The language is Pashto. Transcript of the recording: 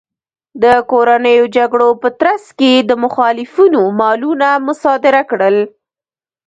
د کورنیو جګړو په ترڅ کې یې د مخالفینو مالونه مصادره کړل